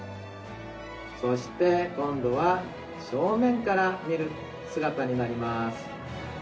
そして今度は正面から見る姿になります。